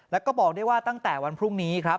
แล้วก็บอกได้ว่าตั้งแต่วันพรุ่งนี้ครับ